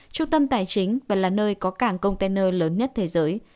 trung tâm tài chính và là nơi có cảng container lớn nhất thế giới